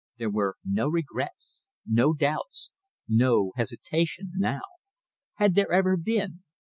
There were no regrets, no doubts, no hesitation now. Had there ever been?